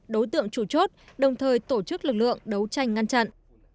đối tượng chủ chốt đồng thời tổ chức lực lượng đấu tranh ngăn chặn